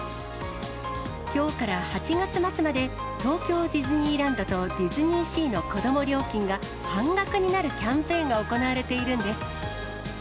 きょうから８月末まで、東京ディズニーランドとディズニーシーの子ども料金が、半額になるキャンペーンが行われているんです。